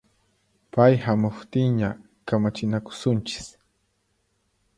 Pay hamuqtinña kamachinakusunchis